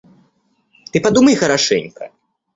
Ты подумай хорошенько.